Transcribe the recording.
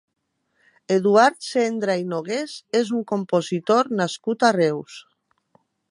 Eduard Sendra i Nogués és un compositor nascut a Reus.